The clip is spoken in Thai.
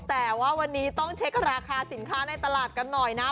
แต่ว่าวันนี้ต้องเช็คราคาสินค้าในตลาดกันหน่อยนะ